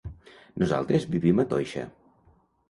Nosaltres vivim a Toixa.